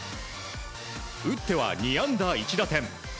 打っては２安打１打点。